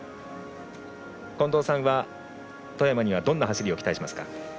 近藤さんは、外山にはどんな走りを期待しますか。